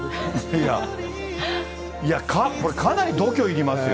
いや、いや、これ、かなり度胸いりますよ。